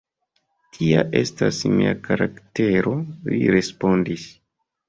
Tia estas mia karaktero, li respondis.